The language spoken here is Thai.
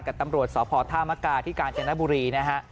กับตำรวจสภธามกาที่กาญเจนบุรี